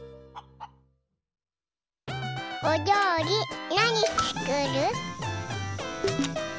おりょうりなにつくる？